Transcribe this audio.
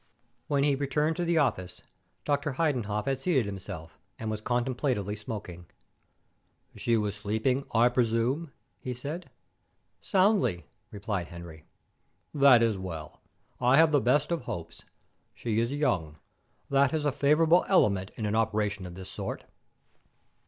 When he returned to the office, Dr. Heidenhoff had seated himself, and was contemplatively smoking. "She was sleeping, I presume," he said. "Soundly," replied Henry. "That is well. I have the best of hopes. She is young. That is a favourable element in an operation of this sort."